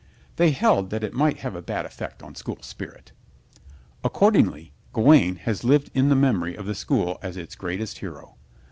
They held that it might have a bad effect on school spirit. Accordingly, Gawaine has lived in the memory of the school as its greatest hero.